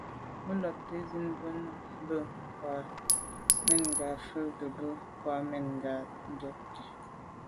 Mə́ làptə̀ zín bú nùúm mə́ krwàá’ mɛ̂n ngà fa’ bú gə̀ mə́ krwàá’ mɛ̂n ngà ndɔ́ gí.